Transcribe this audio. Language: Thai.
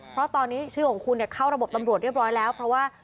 เพราะตอนนี้ชื่อของคุณเข้าระบบตำรวจเรียบร้อยแล้วเพราะว่า